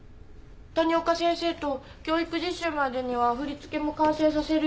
谷岡先生と教育実習までには振り付けも完成させる予定です。